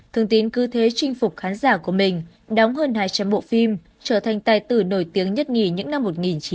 thương tín cứ thế chinh phục khán giả của mình đóng hơn hai trăm linh bộ phim trở thành tài tử nổi tiếng nhất nghỉ những năm một nghìn chín trăm tám mươi một nghìn chín trăm chín mươi